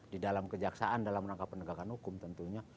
di dalam kejaksaan dalam rangka penegakan hukum tentunya